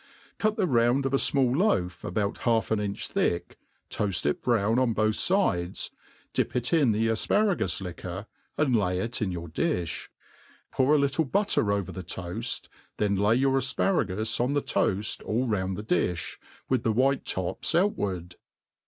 Cut the round of a fmall loaf, about half an inch thick, toaft It brown on both fides, dip it in the afparagus liquor, and lay it in your difli ; pour a little butter over the toaft, then lay your afparagus on the toaft all round the difii, with the white tops outward.